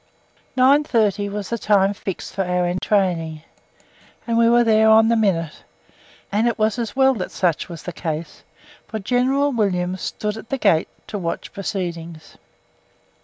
Nine thirty was the time fixed for our entraining, and we were there on the minute and it was as well that such was the case, for General Williams stood at the gate to watch proceedings.